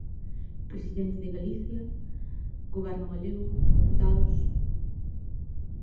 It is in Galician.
Presidente de Galicia, Goberno galego, deputados.